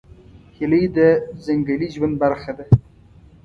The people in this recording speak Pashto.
هیلۍ د ځنګلي ژوند برخه ده